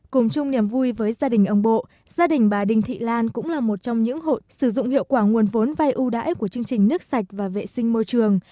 cùng chung niềm vui với gia đình ông bộ gia đình bà đinh thị lan cũng là một trong những hội sử dụng hiệu quả nguồn vốn vai ưu đãi của chương trình nước sạch và vệ sinh môi trường